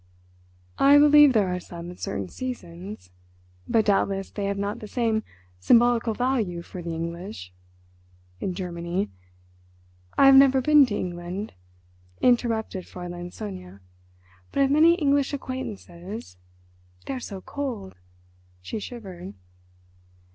"I believe there are some at certain seasons. But doubtless they have not the same symbolical value for the English. In Germany—" "I have never been to England," interrupted Fräulein Sonia, "but I have many English acquaintances. They are so cold!" She shivered.